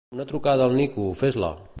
Una trucada al Nico, fes-la.